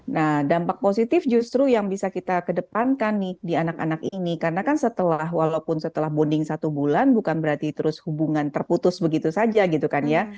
nah dampak positif justru yang bisa kita kedepankan nih di anak anak ini karena kan setelah walaupun setelah bonding satu bulan bukan berarti terus hubungan terputus begitu saja gitu kan ya